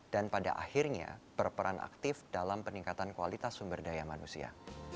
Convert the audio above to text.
dan pada akhirnya berperan aktif dalam peningkatan kualitas sumber daya manusia